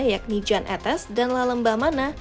yakni jan etes dan lalembah mana